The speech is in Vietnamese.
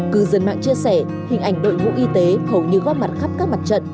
cư dân mạng chia sẻ hình ảnh đội ngũ y tế hầu như góp mặt khắp các mặt trận